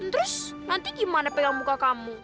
terus nanti gimana pegang muka kamu